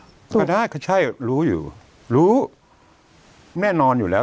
ก็ได้ก็ใช่รู้อยู่รู้แน่นอนอยู่แล้ว